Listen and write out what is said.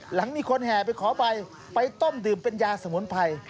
หลังมีคนแห่ไปขอใบไปต้มดื่มเป็นยาสมุนไพร